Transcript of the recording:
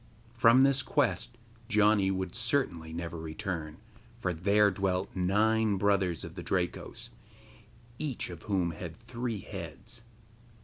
From this quest Janni would certainly never return, for there dwelt nine brothers of the Drakos, each of whom had three heads.